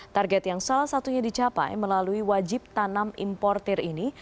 target yang salah satunya dicapai melalui wajib tanam importir ini